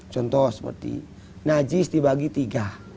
contoh seperti najis dibagi tiga